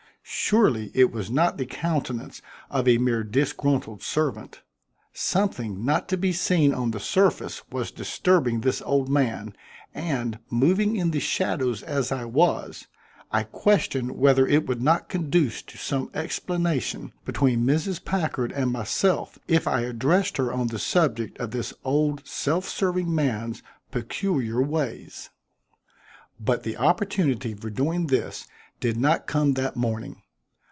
Surely it was not the countenance of a mere disgruntled servant. Something not to be seen on the surface was disturbing this old man; and, moving in the shadows as I was, I questioned whether it would not conduce to some explanation between Mrs. Packard and myself if I addressed her on the subject of this old serving man's peculiar ways. But the opportunity for doing this did not come that morning.